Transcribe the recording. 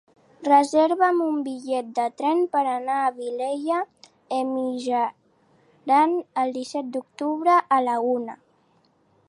Reserva'm un bitllet de tren per anar a Vielha e Mijaran el disset d'octubre a la una.